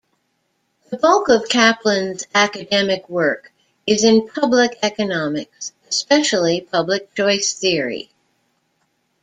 The bulk of Caplan's academic work is in public economics, especially public choice theory.